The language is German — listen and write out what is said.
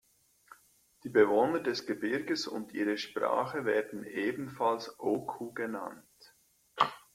Die Bewohner des Gebirges und ihre Sprache werden ebenfalls Oku genannt.